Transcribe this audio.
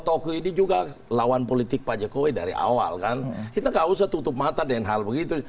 tokoh ini juga lawan politik pak jokowi dari awal kan kita gak usah tutup mata dengan hal begitu